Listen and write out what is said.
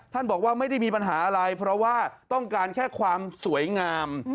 บอกว่าไม่ได้มีปัญหาอะไรเพราะว่าต้องการแค่ความสวยงาม